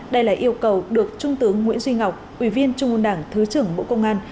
đây là yêu cầu được trung tướng nguyễn duy ngọc ubnd thứ trưởng bộ công an